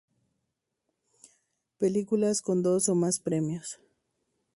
Películas con dos o más premios.